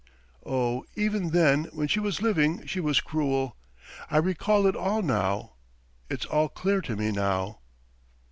Oh, even then when she was living she was cruel! I recall it all now! It's all clear to me now!"